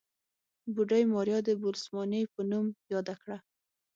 بوډۍ ماريا د بوسلمانې په نوم ياده کړه.